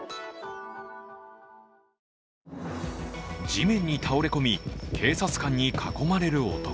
地面に倒れ込み、警察官に囲まれる男。